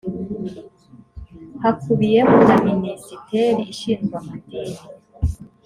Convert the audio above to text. hakubiyemo na minisiteri ishinzwe amadini